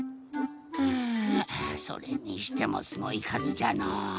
はぁそれにしてもすごいかずじゃのう。